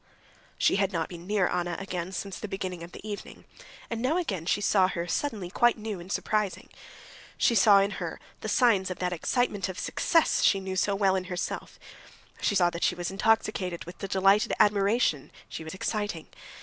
She had not been near Anna again since the beginning of the evening, and now again she saw her suddenly quite new and surprising. She saw in her the signs of that excitement of success she knew so well in herself; she saw that she was intoxicated with the delighted admiration she was exciting.